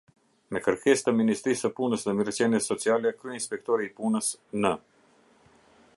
Me kërkesë të Ministrisë së Punës dhe Mirëqenies Sociale, kryeinspektori i punës në.